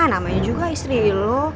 namanya juga istri lu